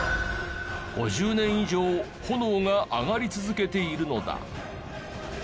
５０年以上炎が上がり続けているのだ。